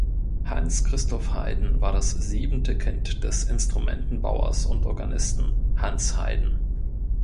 Hans Christoph Heyden war das siebente Kind des Instrumentenbauers und Organisten Hans Heyden.